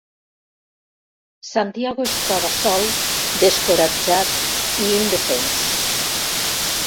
Santiago es troba sol, descoratjat i indefens.